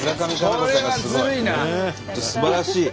本当すばらしい！